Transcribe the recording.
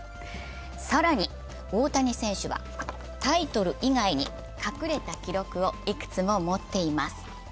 更に、大谷選手はタイトル以外に隠れた記録をいくつも持っています。